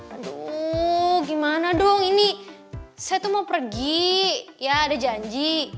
aduh gimana dong ini saya tuh mau pergi ya ada janji